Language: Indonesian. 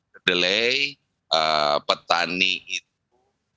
kedelai petani itu